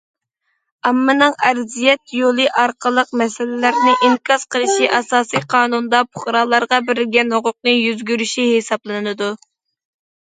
ئاممىنىڭ ئەرزىيەت يولى ئارقىلىق مەسىلىلەرنى ئىنكاس قىلىشى ئاساسىي قانۇندا پۇقرالارغا بېرىلگەن ھوقۇقنى يۈرگۈزۈشى ھېسابلىنىدۇ.